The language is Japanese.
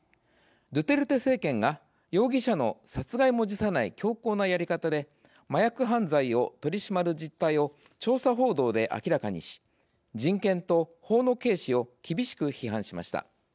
ドゥテルテ政権が容疑者の殺害も辞さない強硬なやり方で麻薬犯罪を取り締まる実態を調査報道で明らかにし人権と法の軽視を厳しく批判しました。